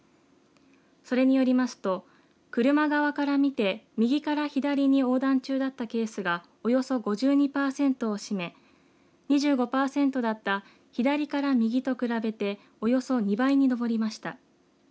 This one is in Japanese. それによりますと車側から見て右から左に横断中だったケースがおよそ５２パーセントを占め２５パーセントだった左から右と比べておよそ２倍に上りました。